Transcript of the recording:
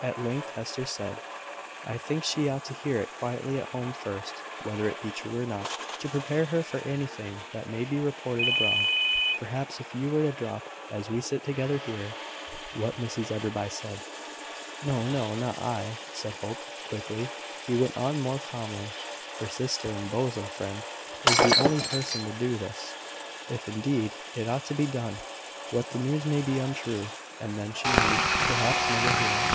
At length Hester said "I think she ought to hear it quietly at home first (whether it be true or not), to prepare her for anything that may be reported abroad. Perhaps, if you were to drop, as we sit together here, what Mrs Enderby said " "No, no; not I," said Hope, quickly. He went on more calmly: "Her sister and bosom friend is the only person to do this if, indeed, it ought to be done. But the news may be untrue; and then she need perhaps never hear it.